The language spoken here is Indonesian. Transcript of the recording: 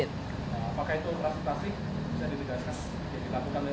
apakah itu operasi plastik bisa ditinggalkan